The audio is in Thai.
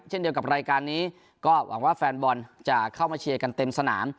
เช่นเดียวกับรายการนี้ก็หวังว่าแฟนบอลจะเข้ามาเชียร์กันเต็มสนาม